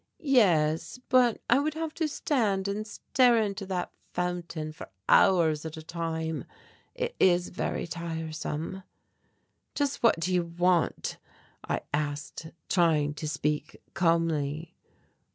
"Yes, but I would have to stand and stare into that fountain for hours at a time. It is very tiresome." "Just what do you want?" I asked, trying to speak calmly.